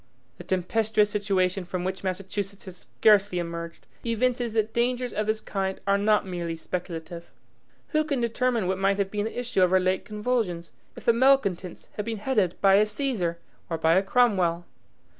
The tempestuous situation from which Massachusetts has scarcely emerged, evinces that dangers of this kind are not merely speculative. Who can determine what might have been the issue of her late convulsions, if the malcontents had been headed by a Caesar or by a Cromwell?